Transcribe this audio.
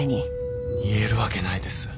言えるわけないです。